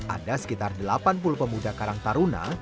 ada sekitar delapan puluh pemuda karang taruna